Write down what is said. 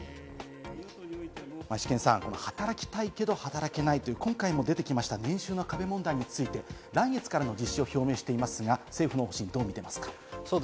イシケンさん、働きたいけれども働けないという、今回も出てきました、年収の壁問題について、来月からの実施を表明していますが、政府の方針、どう見ていますか？